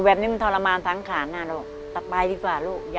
ก็มีทะเล่าบ้างจากธรรมดาหัวแม่ดูนะ